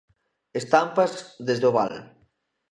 Estampas desde o val.